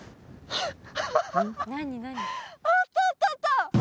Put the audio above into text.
ハハハハあったあったあった！